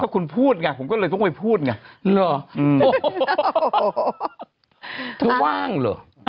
กันชาอยู่ในนี้